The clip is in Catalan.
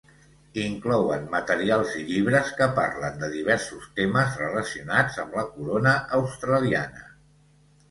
Inclouen materials i llibres que parlen de diversos temes relacionats amb la Corona Australiana.